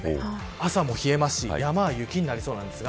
朝も冷えますし山は雪になりそうです。